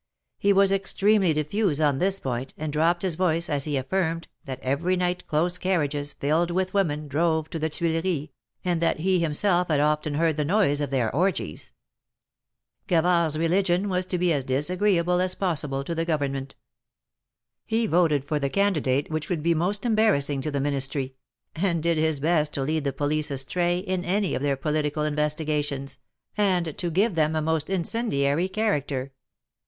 He was extremely diffuse on this point, and dropped his voice, as he affirmed, that every night close carriages, filled with women, drove to the Tuileries, and that he himself had often heard the noise of their orgies. Gavard's religion was to be as disagreeable as possible 86 THE MARKETS OF TARIS. to the Government. He voted for the candidate which would be most embarrassing to the Ministry, and did his best to lead the police astray in any of their political inves tigations, and to give them a most incendiary character.